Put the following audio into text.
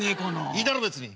いいだろう別に。